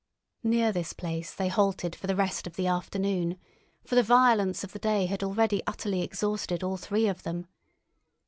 Near this place they halted for the rest of the afternoon, for the violence of the day had already utterly exhausted all three of them.